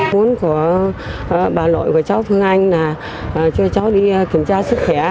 muốn của bà nội của cháu phương anh là cho cháu đi kiểm tra sức khỏe